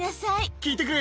聞いてくれ！